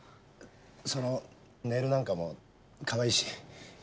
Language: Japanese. そのネイルなんかもかわいいし。